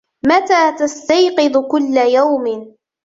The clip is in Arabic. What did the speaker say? متى تستيقظ كل يوم ؟